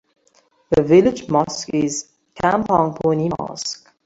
The village mosque is Kampong Puni Mosque.